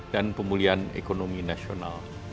dan pemulihan ekonomi nasional